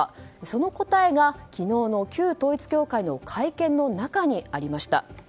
その答えが昨日の旧統一教会の会見の中にありました。